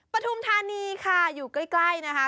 ปฐุมธานีค่ะอยู่ใกล้นะคะ